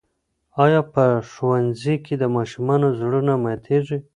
آیا په ښوونځي کې د ماشومانو زړونه ماتېږي؟